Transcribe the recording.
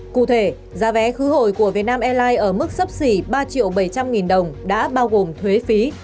cụ thể giá vé khứ hồi của vietnam airlines ở mức sấp xỉ ba triệu bảy trăm linh nghìn đồng đã bao gồm thuế phí